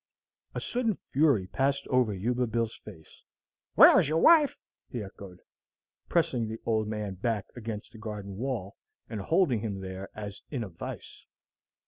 A sudden fury passed over Yuba Bill's face. "Where is your wife?" he echoed, pressing the old man back against the garden wall, and holding him there as in a vice.